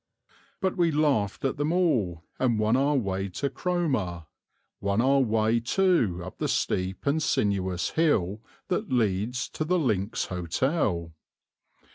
But we laughed at them all and won our way to Cromer, won our way too up the steep and sinuous hill that leads to the Links Hotel.